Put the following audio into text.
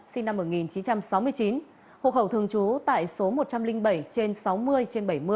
sinh năm một nghìn chín trăm sáu mươi chín hộ khẩu thường trú tại số một trăm linh bảy trên sáu mươi trên bảy mươi